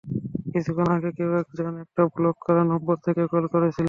কিছুক্ষণ আগে কেউ একজন একটা ব্লক করা নম্বর থেকে কল করেছিলো।